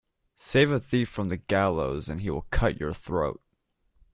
Save a thief from the gallows and he will cut your throat.